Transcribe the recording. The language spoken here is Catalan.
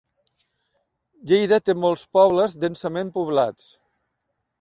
Lleida té molts pobles densament poblats.